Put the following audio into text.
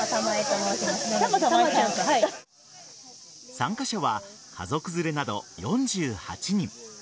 参加者は家族連れなど４８人。